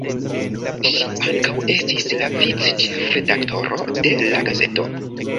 Ŝi ankaŭ estis la vic-ĉefredaktoro de la gazeto.